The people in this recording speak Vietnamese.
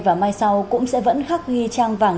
và mai sau cũng sẽ vẫn khắc ghi trang vàng